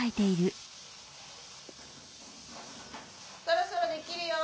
そろそろできるよ。